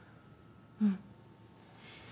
うん。